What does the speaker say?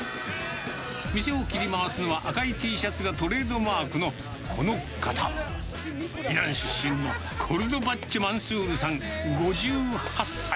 店を切り回すのは赤いＴシャツがトレードマークのこの方、イラン出身のコルドバッチェ・マンスールさん５８歳。